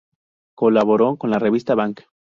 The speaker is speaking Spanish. Colaboró con la revista Bang!